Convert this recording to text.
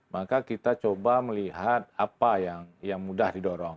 maka kita coba melihat apa yang mudah didorong